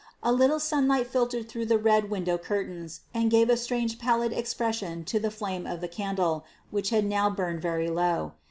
A little sunlight filtered through the red window curtains, and gave a strange pallid expression to the flame of the candle, which had now burned very low.